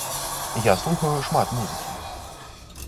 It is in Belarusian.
Я слухаю шмат музыкі.